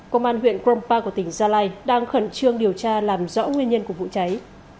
công an huyện krongpa của tỉnh gia lai đang khẩn trương điều tra làm rõ nguyên nhân của vụ cháy